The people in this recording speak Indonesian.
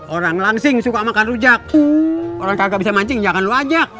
orang langsing suka makan rujak orang kagak bisa mancing jangan lu ajak